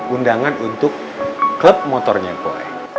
undangan untuk klub motornya koi